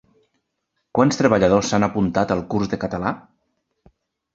Quants treballadors s'han apuntat al curs de català?